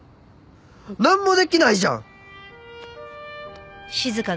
なんもできないじゃん！